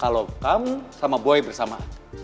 kalau kamu sama boy bersama aku